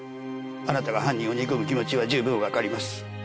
「あなたが犯人を憎む気持ちは十分わかります。